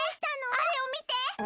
あれをみて！